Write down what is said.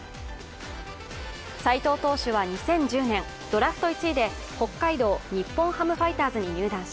斎藤投手は２０１０年ドラフト１位で北海道日本ハムファイターズに入団し